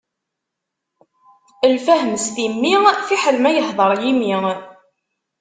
Lfahem s timmi, fiḥel ma yehdeṛ yimi.